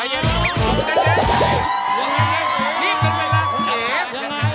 นี่เป็นเวลาของเด็ก